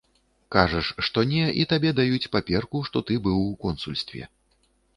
Кажаш, што не, і табе даюць паперку, што ты быў у консульстве.